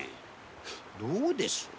どうです？